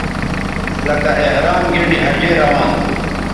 لکہ احرام گینڈی حجے روان تھو